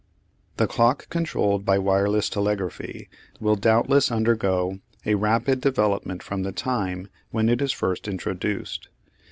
The clock controlled by wireless telegraphy will doubtless undergo a rapid development from the time when it is first introduced.